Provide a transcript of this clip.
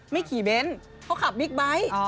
ไม่ขี่เบนท์เขาขับบิ๊กไบท์